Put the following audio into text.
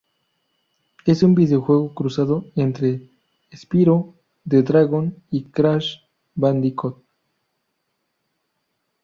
Es un videojuego cruzado entre Spyro the Dragon y Crash Bandicoot.